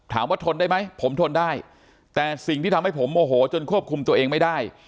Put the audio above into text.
ทนได้ไหมผมทนได้แต่สิ่งที่ทำให้ผมโมโหจนควบคุมตัวเองไม่ได้